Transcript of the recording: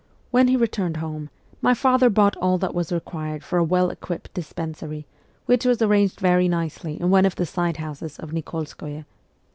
When he returned home, my father bought all that was required for a well equipped dispensary, which was arranged very nicely in one of the side houses of Nik61 skoye.